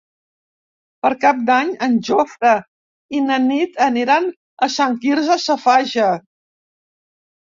Per Cap d'Any en Jofre i na Nit aniran a Sant Quirze Safaja.